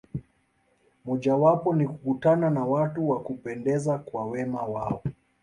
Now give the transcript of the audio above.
Mojawapo ni kukutana na watu wa kupendeza kwa wema wao.